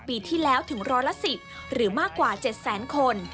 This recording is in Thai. ปีที่แล้วถึงร้อยละ๑๐หรือมากกว่า๗แสนคน